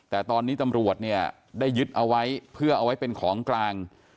แต่ตอนนี้ตำรวจเนี่ยได้ยึดเอาไว้เพื่อเอาไว้เป็นของกลาง